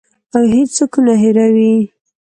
او هیڅوک نه هیروي.